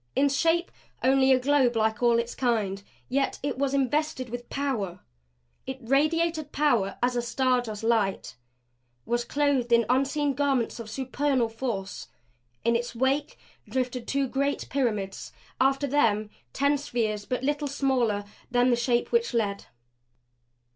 In shape only a globe like all its kind, yet it was invested with power; it radiated power as a star does light; was clothed in unseen garments of supernal force. In its wake drifted two great pyramids; after them ten spheres but little smaller than the Shape which led.